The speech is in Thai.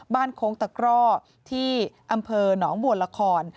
โค้งตะกร่อที่อำเภอหนองบัวละคร